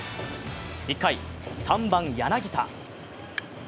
１回、３番・柳田。